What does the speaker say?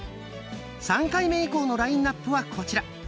３回目以降のラインナップはこちら。